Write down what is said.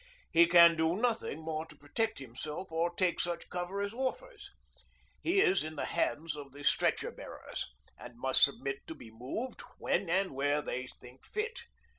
He can do nothing more to protect himself or take such cover as offers. He is in the hands of the stretcher bearers and must submit to be moved when and where they think fit.